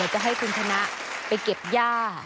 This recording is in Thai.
จะให้คุณชนะไปเก็บย่า